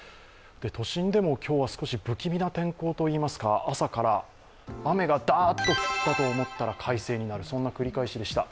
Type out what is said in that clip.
都心でも今日は少し不気味な天候といいますか、朝から雨がだーっと降ったと思ったら快晴になる、そんな繰り返しでした。